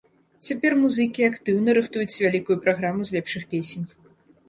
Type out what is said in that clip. Цяпер музыкі актыўна рыхтуюць вялікую праграму з лепшых песень.